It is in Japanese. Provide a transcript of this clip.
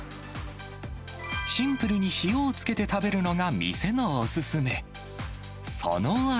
シンプルに塩をつけて食べるのが店のお勧め。